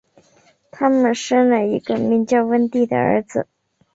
他们生有一个名叫温蒂的儿子。